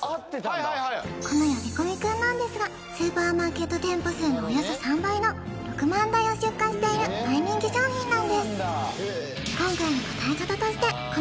はいはいはいはいこの呼び込み君なんですがスーパーマーケット店舗数のおよそ３倍の６万台を出荷している大人気商品なんです